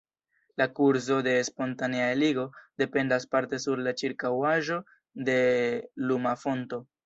La kurzo de spontanea eligo dependas parte sur la ĉirkaŭaĵo de luma fonto.